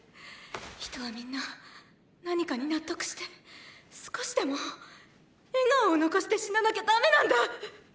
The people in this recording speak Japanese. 人はみんな何かに納得して少しでも笑顔を遺して死ななきゃだめなんだ！